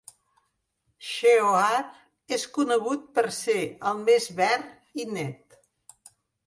Sheohar és conegut per ser el més verd i net.